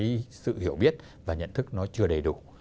cái sự hiểu biết và nhận thức nó chưa đầy đủ